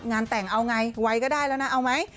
งานแต่งเอาไงไวก็ได้แล้วนะเอาไหม